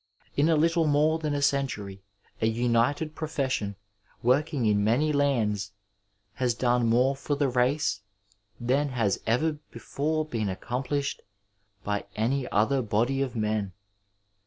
In a little more than a century a united profession, working in many lands, has done more for the race than has ever before been aocom pUshed by any other body of men.